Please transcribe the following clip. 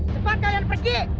cepat kalian pergi